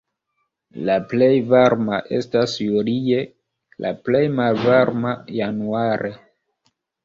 La plej varma estas julie, la plej malvarma januare.